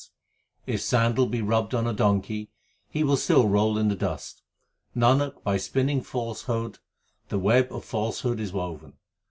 HYMNS OF GURU NANAK 345 If sandal be rubbed on a donkey, he will still roll in the dust. Nanak, by spinning falsehood the web of falsehood is woven.